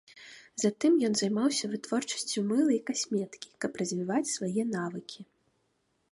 Затым ён займаўся вытворчасцю мыла і касметыкі, каб развіваць свае навыкі.